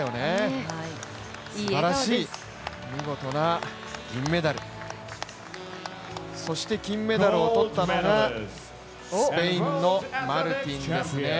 すばらしい、見事な銀メダルそして金メダルを取ったのがスペインのマルティンですね。